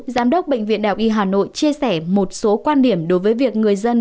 giám đốc bệnh viện đào y hà nội chia sẻ một số quan điểm đối với việc người dân